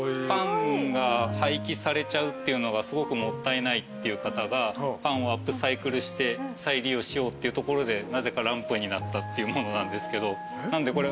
パンが廃棄されちゃうっていうのがすごくもったいないっていう方がパンをアップサイクルして再利用しようっていうところでなぜかランプになったっていうものなんですけどなので。